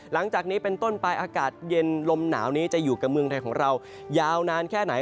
หลังจากนี้เป็นต้นไปอากาศเย็นลมหนาวนี้จะอยู่กับเมืองไทยของเรายาวนานแค่ไหน